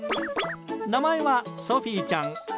名前はソフィーちゃん。